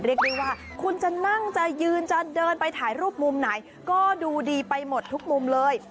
เรียกได้ว่าคุณจะนั่งจะยืนจะเดินไปถ่ายรูปมุมไหนก็ดูดีไปหมดทุกมุมเลย